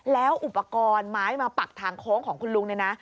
แล้วอุปกรณ์ไม้มาปักทางโค้งของคุณลุงเนี่ยนะ